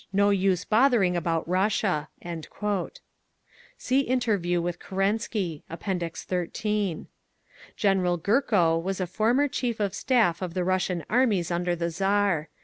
No use bothering about Russia!" See interview with Kerensky (Appendix 13). GENERAL GURKO was a former Chief of Staff of the Russian armies under the Tsar.